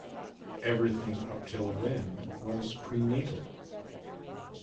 Everything up till then was prenatal.